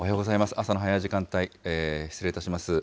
朝の早い時間帯、失礼いたします。